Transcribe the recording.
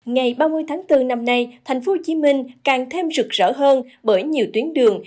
ngày ba mươi tháng bốn năm nay thành phố hồ chí minh càng thêm rực rỡ hơn bởi nhiều tuyến đường